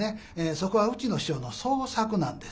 そこはうちの師匠の創作なんですよ。